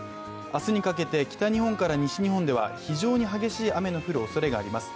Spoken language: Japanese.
明日にかけて北日本から西日本では非常に激しい雨の降るおそれがあります。